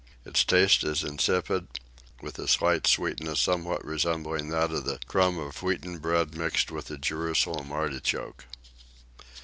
Its taste is insipid, with a slight sweetness somewhat resembling that of the crumb of wheaten bread mixed with a Jerusalem artichoke.